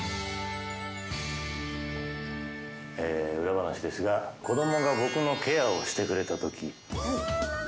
えー、裏話ですが、子どもが僕のケアをしてくれたとき。